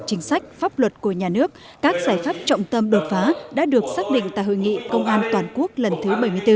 chính sách pháp luật của nhà nước các giải pháp trọng tâm đột phá đã được xác định tại hội nghị công an toàn quốc lần thứ bảy mươi bốn